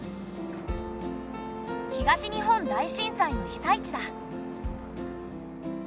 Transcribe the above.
東日本大震災の被災地だ。